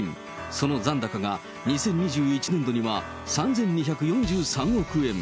その残高が２０２１年度には３２４３億円。